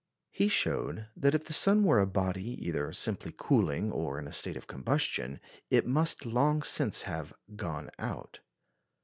He showed that if the sun were a body either simply cooling or in a state of combustion, it must long since have "gone out."